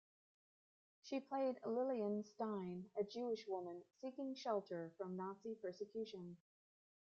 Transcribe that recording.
She played Lillian Stein, a Jewish woman seeking shelter from Nazi persecution.